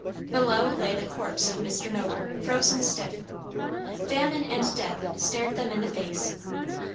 Below lay the corpse of Mr. Noble, frozen stiff. Famine and death stared them in the face.